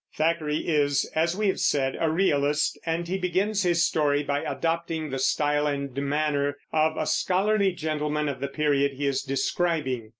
Thackeray is, as we have said, a realist, and he begins his story by adopting the style and manner of a scholarly gentleman of the period he is describing.